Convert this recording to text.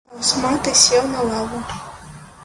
Таўсматы сеў на лаву.